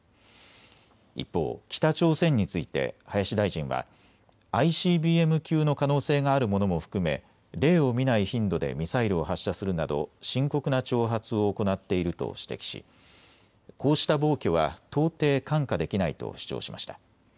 一方、北朝鮮について林大臣はＩＣＢＭ級の可能性があるものも含め例を見ない頻度でミサイルを発射するなど深刻な挑発を行っていると指摘し、こうした暴挙は到底、看過できないと主張しました。